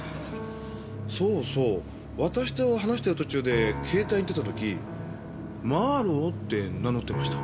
そうそう私と話してる途中で携帯に出た時マーロウって名乗ってました。